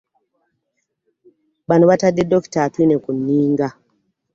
Bano baatadde Dokita Atwine ku nninga